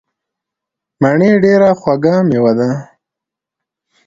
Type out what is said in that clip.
مڼې ډیره خوږه میوه ده.